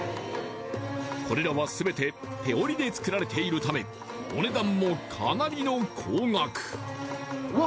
これらは全て手織りで作られているためお値段もかなりの高額うわ！